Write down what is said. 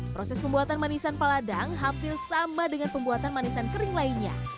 proses pembuatan manisan paladang hampir sama dengan pembuatan manisan kering lainnya